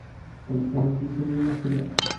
Elle ferme vivement la fenêtre.